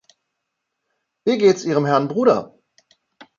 Wie geht’s Ihrem Herrn Bruder?